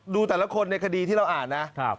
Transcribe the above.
ดูแต่ละคนในคดีที่เราอ่านนะ